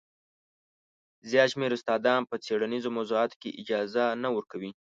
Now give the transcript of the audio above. زیات شمېر استادان په څېړنیزو موضوعاتو کې اجازه نه ورکوي.